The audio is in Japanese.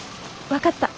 分かった。